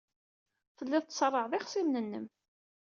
Tellid tṣerrɛed ixṣimen-nnem.